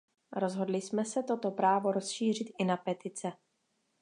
Rozhodli jsme se toto právo rozšířit i na petice.